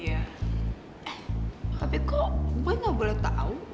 eh tapi kok boy gak boleh tau